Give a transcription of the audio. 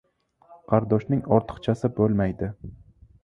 • Qardoshning ortiqchasi bo‘lmaydi.